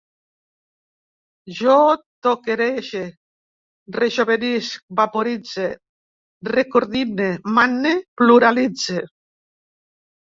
Jo toquerege, rejovenisc, vaporitze, recordine, mane, pluralitze